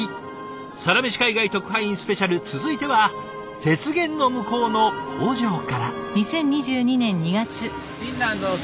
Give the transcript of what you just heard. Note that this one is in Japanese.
「サラメシ海外特派員スペシャル」続いては雪原の向こうの工場から。